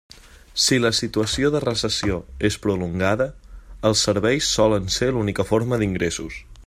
Si la situació de recessió és prolongada, els serveis solen ser l'única forma d'ingressos.